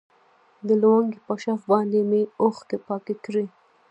د لونگۍ په شف باندې مې اوښکې پاکې کړي.